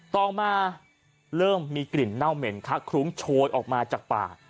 ต่อมาเริ่มมีกลิ่นเน่าเหม็นคักคลุ้งโชยออกมาจากป่า